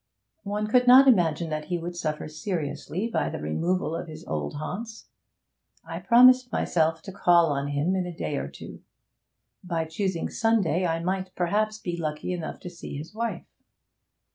One could not imagine that he would suffer seriously by the removal of his old haunts. I promised myself to call on him in a day or two. By choosing Sunday, I might perhaps be lucky enough to see his wife.